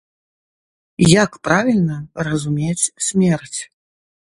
Як правільна разумець смерць?